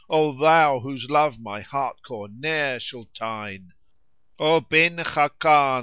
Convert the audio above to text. * O thou whose love my heart core ne'er shall tyne! O Bin Khákán!